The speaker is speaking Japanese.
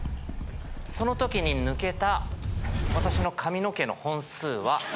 その時に抜けた私の髪の毛の本数は？